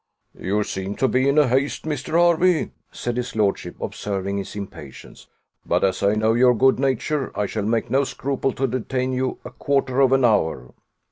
"You seem to be in haste, Mr. Hervey," said his lordship, observing his impatience; "but, as I know your good nature, I shall make no scruple to detain you a quarter of an hour."